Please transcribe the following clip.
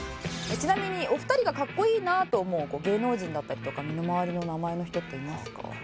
ちなみにお二人がかっこいいなと思う芸能人だったりとか身の回りの名前の人っていますか？